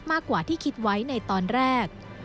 มากกว่าที่คิดไว้ในตอนแรก